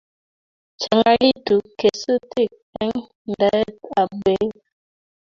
Changaitu kesutik eng' ndaet ab peek